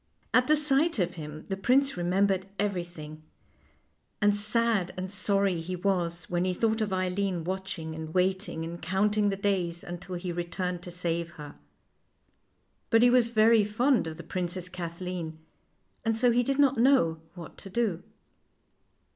At the sight of him the prince remembered every thing, and sad and sorry he was when he thought of Eileen watching and waiting and counting the days until he returned to save her. But he was very fond of the Princess Kathleen, and so he did not know what to do.